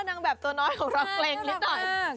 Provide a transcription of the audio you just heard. นางแบบตัวน้อยของเราเกร็งนิดหน่อย